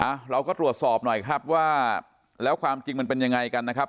เราก็ตรวจสอบหน่อยครับว่าแล้วความจริงมันเป็นยังไงกันนะครับ